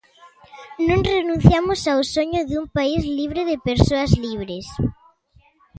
Non renunciamos ao soño dun país libre de persoas libres.